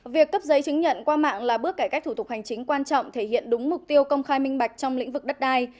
việc cấp giấy chứng nhận qua mạng là bước cải cách thủ tục hành chính quan trọng thể hiện đúng mục tiêu công khai minh bạch trong lĩnh vực đất đai